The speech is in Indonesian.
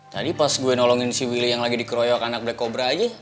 tadi pas gue nolongin si willy yang lagi dikeroyok anak udah kobra aja